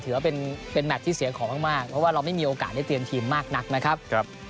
ถือว่าเป็นแมทที่เสียของมากเพราะว่าเราไม่มีโอกาสได้เตรียมทีมมากนักนะครับ